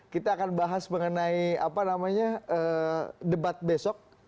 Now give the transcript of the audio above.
kita akan bahas mengenai debat besok